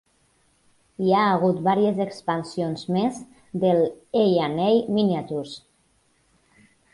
Hi ha hagut vàries expansions més del "A and A Miniatures".